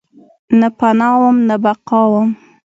نه پناه وم ، نه بقاوم